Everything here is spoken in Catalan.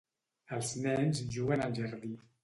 Els nens juguen al jardí.